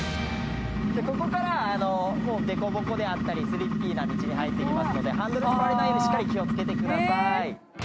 ここからでこぼこであったりスリッピーな道に入ってきたりしますのでハンドルを取られないようにしっかり気をつけてください。